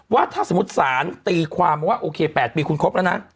ว่าถ้าสมมุติศาลตีความมาว่าโอเค๘ปีคุณครบแล้วนะ